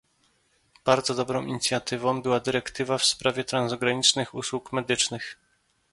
Bardzo dobrą inicjatywą była dyrektywa w sprawie transgranicznych usług medycznych